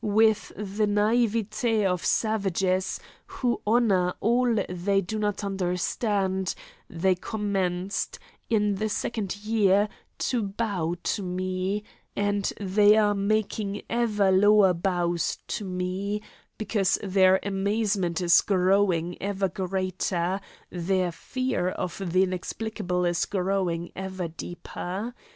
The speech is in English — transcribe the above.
With the naivete of savages, who honour all they do not understand, they commenced, in the second year, to bow to me, and they are making ever lower bows to me, because their amazement is growing ever greater, their fear of the inexplicable is growing ever deeper.